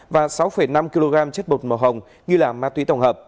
và sáu năm kg chất bột màu hồng